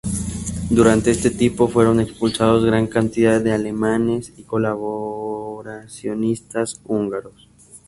Durante este tiempo fueron expulsados gran cantidad de alemanes y colaboracionistas húngaros.